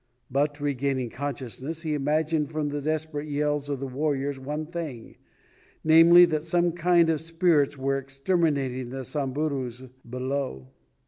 But, regaining consciousness, he imagined from the desperate yells of the warriors one thing, namely, that some kind of spirits were exterminating the Samburus below.